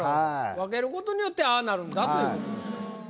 分けることによってああなるんだということですから。